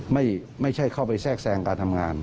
ไม่ใช่เข้าไปแทรกแทรงการทำงาน